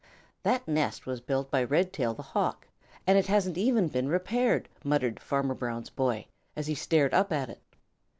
"That nest was built by Red tail the Hawk, and it hasn't even been repaired," muttered Farmer Brown's boy, as he stared up at it.